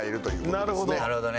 なるほどね。